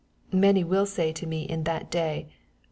22 Many will say to me in that day.